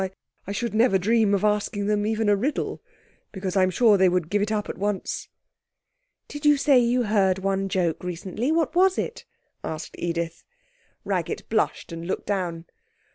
I should never dream of asking them even a riddle, because I'm sure they would give it up at once.' 'Did you say you heard one joke recently? What was it?' asked Edith. Raggett blushed and looked down.